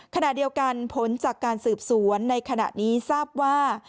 ขณะเดียวกันผลจากการสืบสวนในขณะนี้ทราบว่า